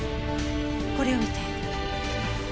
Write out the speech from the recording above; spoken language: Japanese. これを見て。